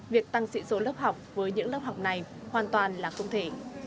việc tăng sĩ số lớp học với những lớp học này hoàn toàn là không thể